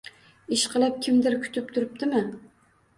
- Ishqilib, kimdir kutib turibdimi?